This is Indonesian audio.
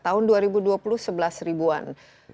tahun dua ribu dua puluh sebelas ribuan